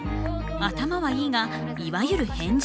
頭はいいがいわゆる変人。